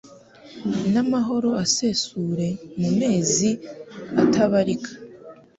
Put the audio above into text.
n’amahoro asesure mu mezi atabarika